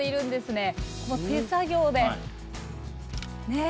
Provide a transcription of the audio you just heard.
手作業でねえ。